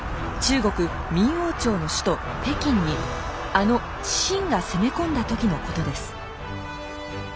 中国明王朝の首都北京にあの清が攻め込んだ時のことです。